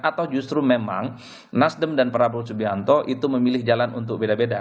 atau justru memang nasdem dan prabowo subianto itu memilih jalan untuk beda beda